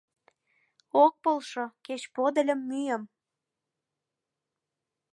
Ок полшо, кеч подыльым мӱйым